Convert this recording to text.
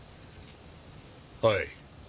はい。